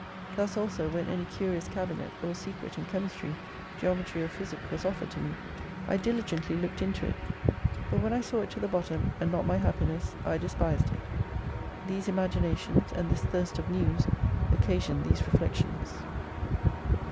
Thus also when any curious cabinet, or secret in chemistry, geometry or physic was offered to me, I diligently looked into it, but when I saw it to the bottom and not my happiness I despised it. These imaginations and this thirst of news occasioned these reflections.